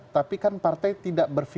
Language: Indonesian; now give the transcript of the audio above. tapi kan partai tidak berpikir